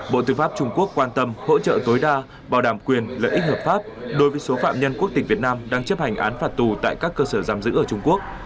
bộ tư pháp trung quốc quan tâm hỗ trợ tối đa bảo đảm quyền lợi ích hợp pháp đối với số phạm nhân quốc tịch việt nam đang chấp hành án phạt tù tại các cơ sở giam giữ ở trung quốc